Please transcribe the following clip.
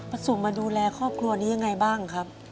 ประสูจน์มาดูแลครอบครัวนี้อย่างไรบ้างครับ